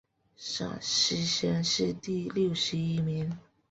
陕西乡试第六十一名。